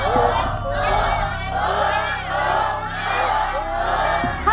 ถูก